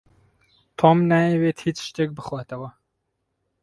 تۆم نایەوێت هێچ شتێک بخواتەوە.